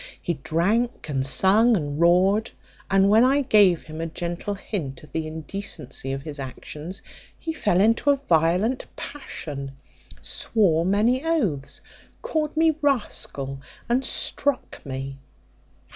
He drank, and sung, and roared; and when I gave him a gentle hint of the indecency of his actions, he fell into a violent passion, swore many oaths, called me rascal, and struck me."